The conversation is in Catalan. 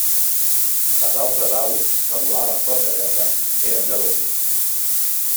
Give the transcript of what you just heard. Les altres aus que volaven prop de terra eren gelosos.